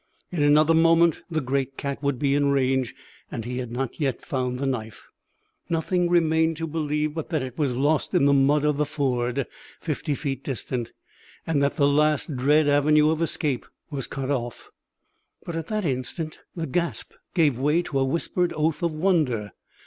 In another moment the great cat would be in range and he had not yet found the knife. Nothing remained to believe but that it was lost in the mud of the ford, fifty feet distant, and that the last dread avenue of escape was cut off. But at that instant the gasp gave way to a whispered oath of wonder.